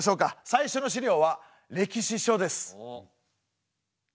最初の資料は歴史書です。